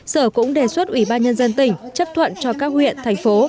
sở cũng đề xuất ủy ban nhân dân tỉnh chấp thuận cho các huyện thành phố